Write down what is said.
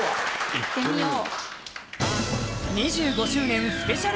行ってみよう。